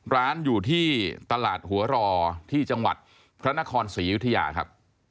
ร้านอยู่ที่ตลาดหัวรอที่จังหวัดพระนครศรีอยุธยาครับ